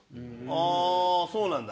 ああーそうなんだ。